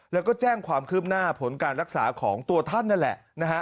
แล้วก็แจ้งความคืบหน้าผลการรักษาของตัวท่านนั่นแหละนะฮะ